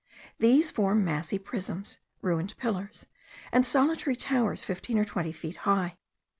These form massy prisms, ruined pillars, and solitary towers fifteen or twenty feet high.